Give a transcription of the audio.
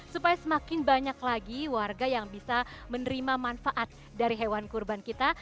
supaya semakin banyak lagi warga yang bisa menerima manfaat dari hewan kurban kita